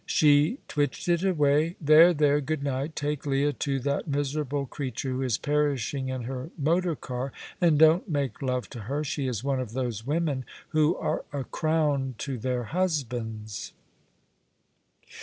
She twitched it away. "There there goodnight. Take Leah to that miserable creature who is perishing in her motor car, and don't make love to her. She is one of those women who are a crown to their husbands."